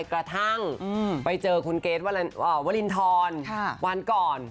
กระทั่งไปเจอคุณเกรทวรินทรวันก่อน